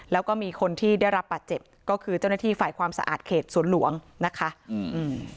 แล้วก็มีคนที่ได้รับบาดเจ็บก็คือเจ้าหน้าที่ฝ่ายความสะอาดเขตสวนหลวงนะคะอืม